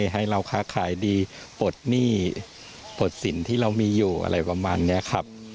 ให้เราค้าขายดีปลดหนี้ปลดสินที่เรามีอยู่อะไรประมาณนี้ครับ